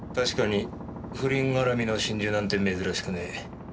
確かに不倫絡みの心中なんて珍しくねえ。